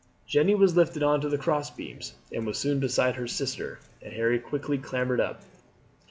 Jeanne was lifted on to the cross beams, and was soon beside her sister, and Harry quickly clambered up.